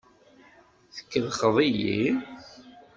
Tkellxeḍ-iyi?